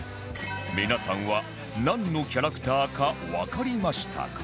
皆さんはなんのキャラクターかわかりましたか？